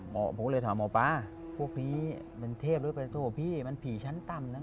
ผมเลยถามหมอป๊าพวกนี้เป็นเทพพี่มันผีชั้นต่ำ